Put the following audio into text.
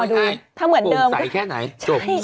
ปร่งใสแค่ไหนจบสั้นที่สุด